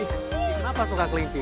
kenapa suka kelinci